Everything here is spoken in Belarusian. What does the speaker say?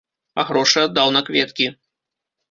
А грошы аддаў на кветкі.